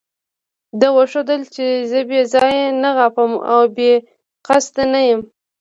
ده وښودل چې زه بې ځایه نه غاپم او بې قصده نه یم.